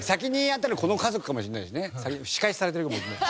仕返しされてるかもしれない。